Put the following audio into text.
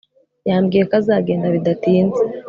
Yambwiye ko azagenda bidatinze